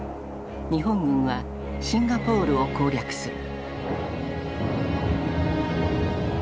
日本軍はシンガポールを攻略する。